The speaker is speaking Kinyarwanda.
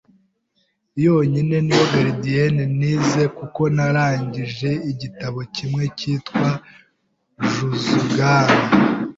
yonyine ni yo Gardienne nize kuko narangije igitabo kimwe cyitwa Juzughama